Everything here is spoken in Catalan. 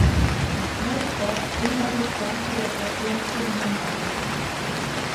"Molts cops ell va dubtar sobre qüestions fonamentals."